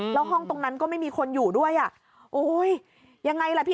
แล้วห้องตรงนั้นก็ไม่มีคนอยู่ด้วย